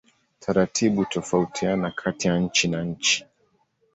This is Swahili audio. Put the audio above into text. Taratibu hutofautiana kati ya nchi na nchi.